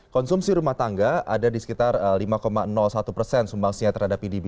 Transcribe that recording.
konsumsi rumah tangga ada di sekitar lima satu persen sumbangsinya terhadap pdb